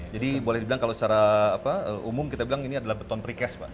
jadi boleh dibilang kalau secara umum kita bilang ini adalah beton pre cast pak